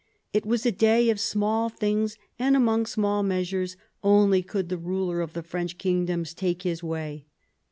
It was a day of small things, and among small measures only could the ruler of the French kingdom take his way.